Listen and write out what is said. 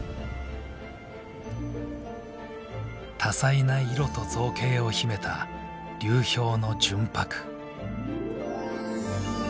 多彩な色と造形を秘めた流氷の純白。